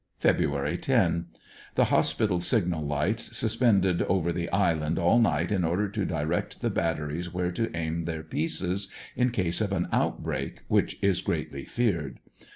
Feb. 10. — The hospital signal lights suspended over the island all night in order to direct the batteries where to aim their pieces in case of an outbreak which is greatly feared.